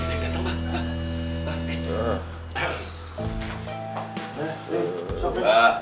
neng dateng abah